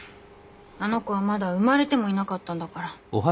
あの子はまだ生まれてもいなかったんだから。